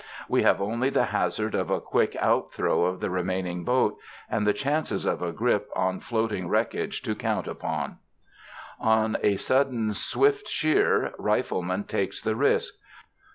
We have only the hazard of a quick out throw of the remaining boat and the chances of a grip on floating wreckage to count upon. On a sudden swift sheer, Rifleman takes the risk.